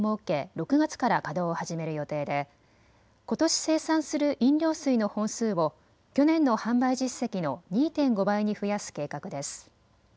６月から稼働を始める予定でことし生産する飲料水の本数を去年の販売実績の２．５倍に増やす計画です。